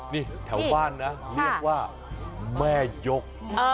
นี่แถวบ้านนะเรียกว่าแม่ยก